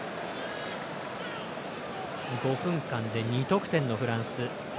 ５分間で２得点のフランス。